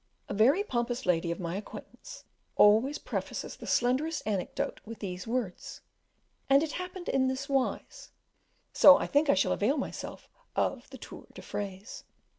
A very pompous lady of my acquaintance always prefaces the slenderest anecdote with these words, "And it happened in this wise," so I think I shall avail myself of the tour de phrase.